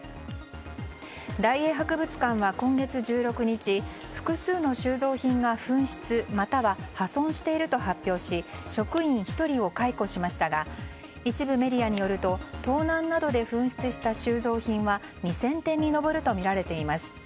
大英博物館は今月１６日複数の収蔵品が紛失または破損していると発表し職員１人を解雇しましたが一部メディアによると盗難などで紛失した収蔵品は２０００点に上るとみられています。